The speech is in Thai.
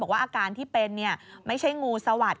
บอกว่าอาการที่เป็นไม่ใช่งูสวัสดิ์